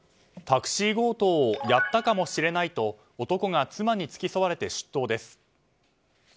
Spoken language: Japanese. タクシー強盗をやったかもしれないと男が妻に付き添われて出頭です。